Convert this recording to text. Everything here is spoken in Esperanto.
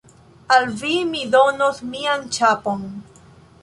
Al vi mi donos mian ĉapon.